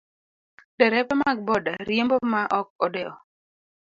Derepe mag boda riembo ma ok odewo.